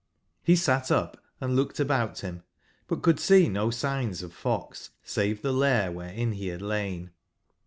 Re sat up & looked about bim, but could seeno signs of fox save tbe lair wberein be bad lain.